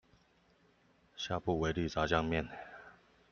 下不為例炸醬麵